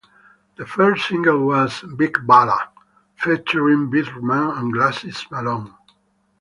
The first single was "Big Balla" featuring Birdman and Glasses Malone.